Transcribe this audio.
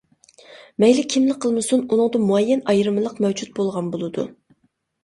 مەيلى كىملا قىلمىسۇن، ئۇنىڭدا مۇئەييەن ئايرىمىلىق مەۋجۇت بولغان بولىدۇ.